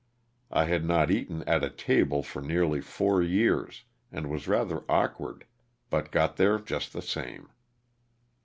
I had not eaten at a table for nearly four years and was rather awkward, but got there just the same.